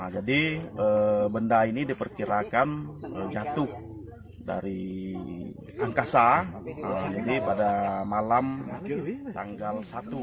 jadi benda ini diperkirakan jatuh dari angkasa jadi pada malam tanggal satu